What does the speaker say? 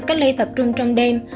cách ly tập trung trong đêm